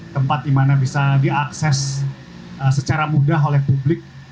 tempat di mana bisa diakses secara mudah oleh publik